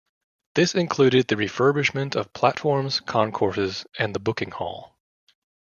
This included the refurbishment of platforms, concourses and the booking hall.